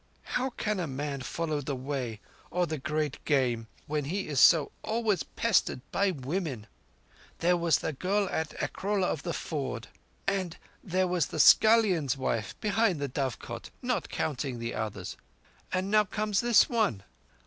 "How can a man follow the Way or the Great Game when he is so—always pestered by women? There was that girl at Akrola of the Ford; and there was the scullion's wife behind the dovecot—not counting the others—and now comes this one!